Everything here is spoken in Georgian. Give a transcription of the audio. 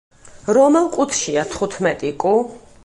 რომელ ყუთშია თხუთმეტი კუ?